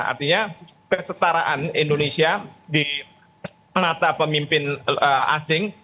artinya kesetaraan indonesia di mata pemimpin asing